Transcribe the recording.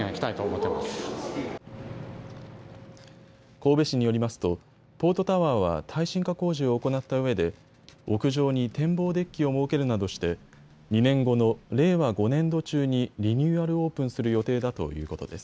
神戸市によりますとポートタワーは耐震化工事を行ったうえで屋上に展望デッキを設けるなどして２年後の令和５年度中にリニューアルオープンする予定だということです。